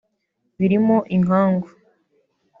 birimo inkangu